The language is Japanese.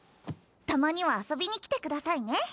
たまには遊びに来てくださいね